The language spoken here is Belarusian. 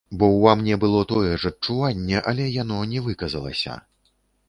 Бо ўва мне было тое ж адчуванне, але яно не выказалася.